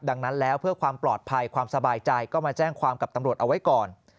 ดังนั้นแล้วเพื่อความปลอดภัยความสบายใจก็มาแจ้งความกับตำรวจเอาไว้ก่อน